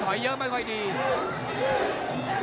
โดนท่องโดนท่องมีอาการ